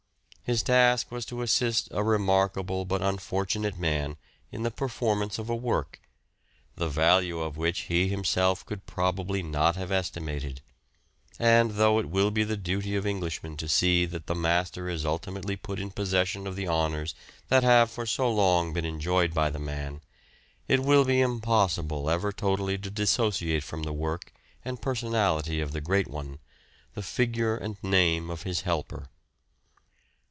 His task was to assist a remark able but unfortunate man in the performance of a work, the value of which he himself could probably not have estimated ; and though it will be the duty of Englishmen to see that the master is ultimately put in possession of the honours that have for so long been enjoyed by the man, it will be impossible ever totally to dissociate from the work and personality of the great one, the figure and name of his helper.